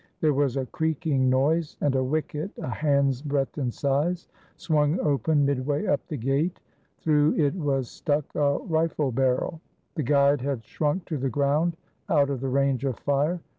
There was a creaking noise and a wicket, a hand's breadth in size, swung open midway up the gate. Through it was stuck a rifle barrel. The guide had shrunk to the ground, out of the range of fire.